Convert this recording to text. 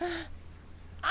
あ！